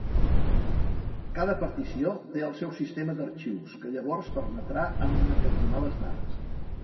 Cada partició té el seu sistema d'arxius, que llavors permetrà emmagatzemar les dades.